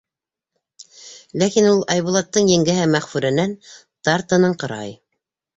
Ләкин ул Айбулаттың еңгәһе Мәғфүрәнән тартыныңҡырай.